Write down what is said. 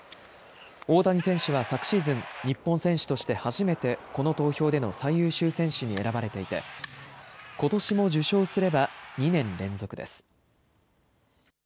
大谷選手は昨シーズン、日本選手として初めて、この投票での最優秀選手に選ばれていて、ことしも受賞すれば、２年連続です。